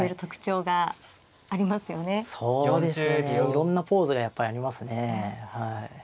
いろんなポーズがやっぱりありますね。